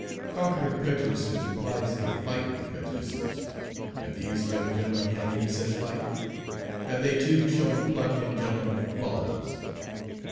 Conquering prejudices implies a fight with prejudices have these young gentlemen had any such fight? Have they too 'shown pluck and gentlemanly qualities?'